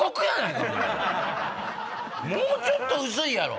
もうちょっと薄いやろ。